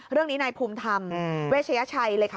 เรื่องนี้นายภูมิธรรมเวชยชัยเลยค่ะ